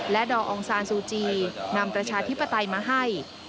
และดอองซานซูจีนำประชาธิปไตยมาให้